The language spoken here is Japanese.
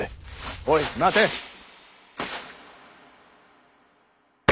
おい待てッ！！